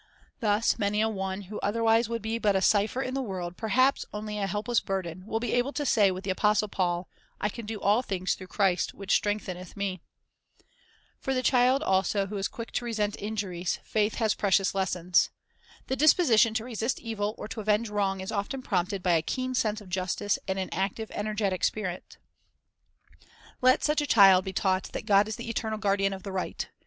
Thus many a one who otherwise would be but a cipher in the world, perhaps only a helpless burden, will be able to say with the apostle Paul, "I can do all things through Christ which strengthened me."' 2 For the child also who is quick to resent injuries, 1 Acts 27 : 22 24, 34. 44 a Phil. 4 : 13 Faith and Prayer 257 faith has precious lessons. The disposition to resist evil or to avenge wrong" is often prompted by a keen sense of justice and an active, energetic spirit. Let such a child be taught that God is the eternal guardian of right.